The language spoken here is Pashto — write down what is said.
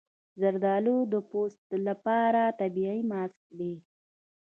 زردالو د پوست لپاره طبیعي ماسک دی.